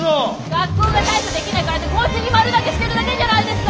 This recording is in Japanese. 学校が対処できないからってこっちに丸投げしてるだけじゃないですか。